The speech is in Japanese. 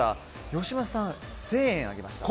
吉村さんは１０００円上げました。